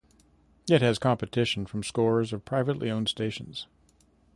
It has competition from scores of privately owned stations.